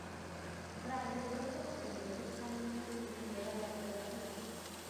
Fraile pronto comprendió que su camino, en el cine, era la fotografía.